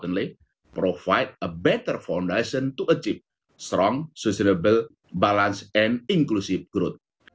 dan lebih penting memberikan fondasi yang lebih baik untuk mencapai balasan dan inklusi yang kuat